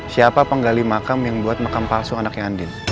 siapa penggali makam yang buat makam palsu anaknya andin